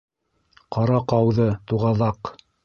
Ҡара ҡауҙы, Туғаҙаҡ!